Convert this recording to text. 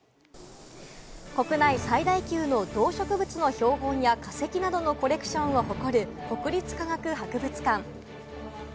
国内最大級の動植物の標本や化石などのコレクションを誇る国立科学博物館。